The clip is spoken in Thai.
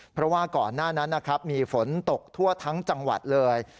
เพราะว่าก่อนหน้านั้นนะครับมีฝนตกทั่วทั้งจังหวัดเลย